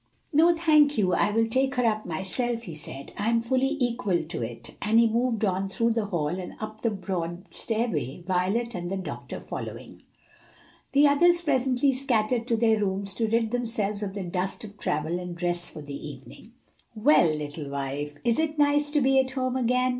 "No, thank you, I will take her up myself," he said. "I am fully equal to it," and he moved on through the hall and up the broad stairway, Violet and the doctor following. The others presently scattered to their rooms to rid themselves of the dust of travel and dress for the evening. "Well, little wife, is it nice to be at home again?"